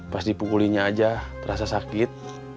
pas dipukulinya aja terasa sakit